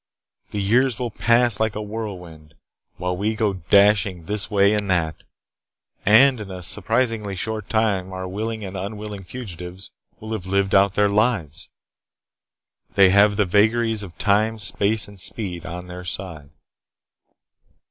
The years will pass like a whirlwind while we go dashing this way and that, and in a surprisingly short time our willing and unwilling fugitives will have lived out their lives. They have the vagaries of time, space, and speed upon their side."